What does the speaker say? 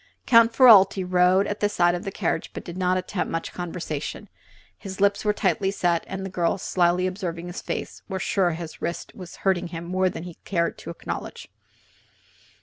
Count Ferralti rode at the side of the carriage but did not attempt much conversation. His lips were tight set and the girls, slyly observing his face, were sure his wrist was hurting him much more than he cared to acknowledge.